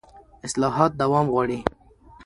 اصلاحات دوام غواړي